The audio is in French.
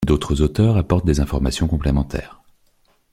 D'autres auteurs apportent des informations complémentaires.